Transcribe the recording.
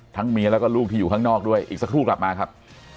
เมียแล้วก็ลูกที่อยู่ข้างนอกด้วยอีกสักครู่กลับมาครับ